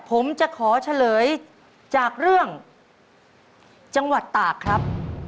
ผมจะขอเฉลยจากเรื่องจังหวัดตากครับ